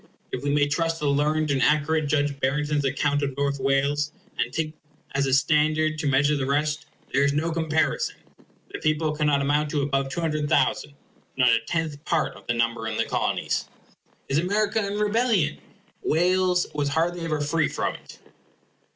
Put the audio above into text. If we may trust the learned and accurate Judge Barrington's account of North Wales, and take that as a standard to measure the rest, there is no comparison. The people cannot amount to above 200,000; not a tenth part of the number in the Colonies. Is America in rebellion? Wales was hardly ever free from it.